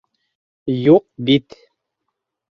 Юҡ бит.